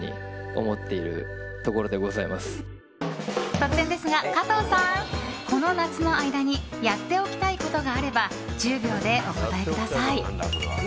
突然ですが、加藤さんこの夏の間にやっておきたいことがあれば１０秒でお答えください！